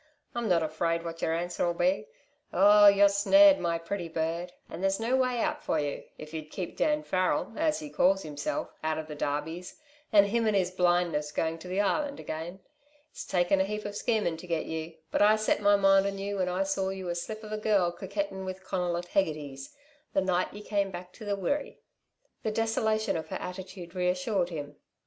"I'm not afraid what y'r answer'll be. Oh, you're snared, my pretty bird, and there's no way out for you, if you'd keep Dan Farrel, as he calls himself, out of the darbies, and him in his blindness, going to the Island again! It's taken a heap of schemin' to get you but I set my mind on you when I saw you a slip of a girl coquettin' with Conal, at Hegarty's the night you came back to the Wirree." The desolation of her attitude reassured him.